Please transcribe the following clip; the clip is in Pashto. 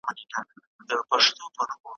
او بالآخره مي ځان په برلين